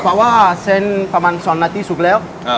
เพราะว่าเซ็นประมาณ๒นาทีสุกแล้ว